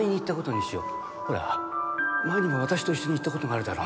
ほら前にも私と一緒に行った事があるだろ。